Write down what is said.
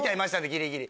ギリギリ。